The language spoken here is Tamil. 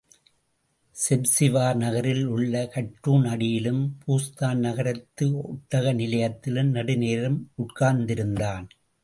செப்ஸிவார் நகரில் உள்ள கற்றூண் அடியிலும், பூஸ்தான் நகரத்து ஒட்டக நிலையத்திலும் நெடுநேரம் உட்கார்ந்திருந்தான்.